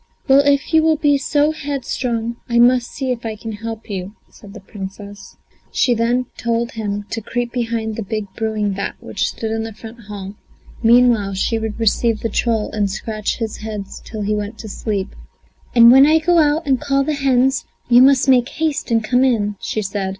"Well, if you will be so headstrong, I must see if I can help you," said the Princess. She then told him to creep behind the big brewing vat which stood in the front hall; meanwhile she would receive the troll and scratch his heads till he went to sleep. "And when I go out and call the hens you must make haste and come in," she said.